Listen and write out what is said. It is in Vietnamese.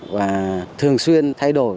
và thường xuyên thay đổi